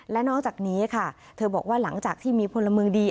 และนอกจากนี้ค่ะเธอบอกว่าหลังจากที่มีพลเมืองดี